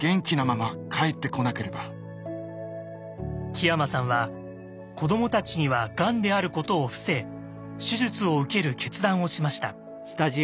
木山さんは子どもたちにはがんであることを伏せ手術を受ける決断をしました。